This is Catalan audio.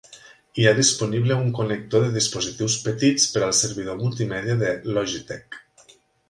Hi ha disponible un connector de dispositius petits per al servidor multimèdia de Logitech.